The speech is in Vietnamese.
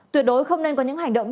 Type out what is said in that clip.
tuyệt đối không nên có những hành động